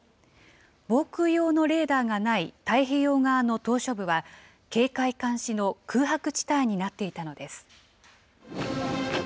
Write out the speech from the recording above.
防空用のレーダーがない太平洋側の島しょ部は、警戒監視の空白地帯になっていたのです。